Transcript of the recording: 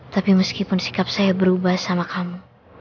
tapi meskipun sikap saya berubah sama kamu